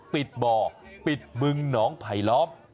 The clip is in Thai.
ปิดบ่อปิดบึงหนองไผลล้อม